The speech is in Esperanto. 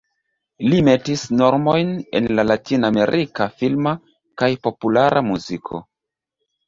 Li metis normojn en latinamerika filma kaj populara muziko.